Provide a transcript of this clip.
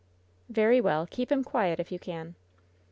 "Very well. Keep him quiet, if you can."